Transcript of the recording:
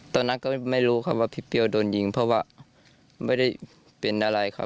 ตอนนั้นก็ไม่รู้ว่าพี่เปี๊ยวดูด้วยยิงเพราะว่าไม่ได้เป็นอะไร